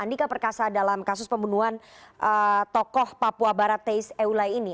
soal dugaan keterlibatannya pak andika perkasa dalam kasus pembunuhan tokoh papua barat teis eulai ini